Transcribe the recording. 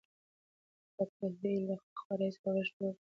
دا کوهی له پخوا راهیسې په بشپړه توګه وچ و.